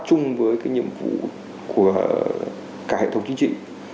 chung với cái nhiệm vụ của cả hệ thống chính trị